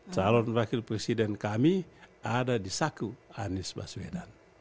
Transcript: calon wakil presiden kami ada di saku anies baswedan